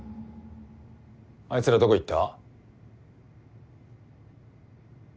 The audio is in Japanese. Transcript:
あいつらどこ行った？